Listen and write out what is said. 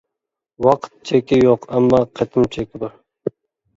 ۋاقىت چېكى يوق ئەمما قېتىم چېكى بار.